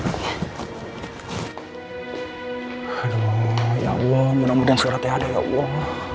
halo ya allah mudah mudahan suratnya ada ya allah